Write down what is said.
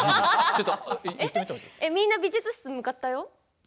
みんな美術室向かったよ。